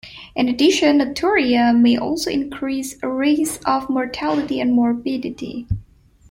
In addition, nocturia may also increase risk of mortality and morbidity.